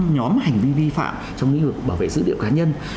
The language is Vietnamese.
năm nhóm hành vi vi phạm trong lĩnh vực bảo vệ dữ liệu cá nhân